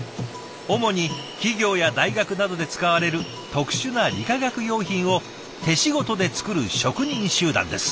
主に企業や大学などで使われる特殊な理化学用品を手仕事で作る職人集団です。